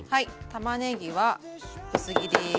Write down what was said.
玉ねぎは薄切り。